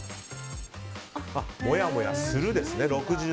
もやもやするですね、６５％。